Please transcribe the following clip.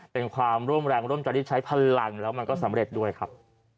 เป็นความร่วมแรงร่วมใจที่ใช้พลังแล้วมันก็สำเร็จด้วยครับ